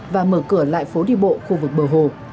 và mở cửa lại phố đi bộ khu vực bờ hồ